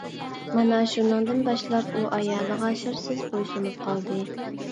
مانا شۇنىڭدىن باشلاپ ئۇ ئايالىغا شەرتسىز بويسۇنۇپ قالدى.